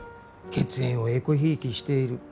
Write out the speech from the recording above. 血縁をえこひいきしている。